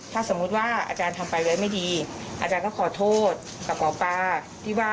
ถ้าสมมุติว่าอาจารย์ทำไปไว้ไม่ดีอาจารย์ก็ขอโทษกับหมอปลาที่ว่า